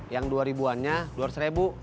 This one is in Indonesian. yang dua ribuannya dua ratus ribu